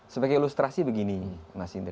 sebagai ilustrasi begini mas indra